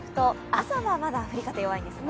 朝はまだ雨弱いんですね。